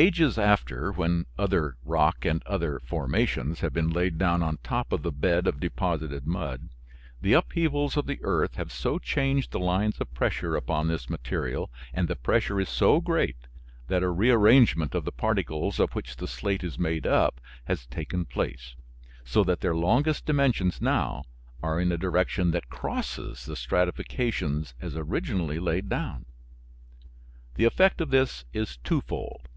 Ages after, when other rock and other formations had been laid down on top of the bed of deposited mud, the upheavals of the earth have so changed the lines of pressure upon this material and the pressure is so great that a rearrangement of the particles of which the slate is made up has taken place, so that their longest dimensions now are in a direction that crosses the stratifications as originally laid down. The effect of this is twofold.